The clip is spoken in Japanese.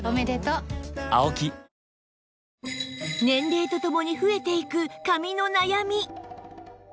年齢とともに増えていく髪の悩み